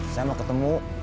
saya mau ketemu